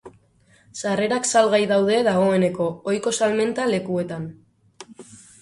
Sarrerak salgai daude dagoeneko, ohiko salmenta-lekuetan.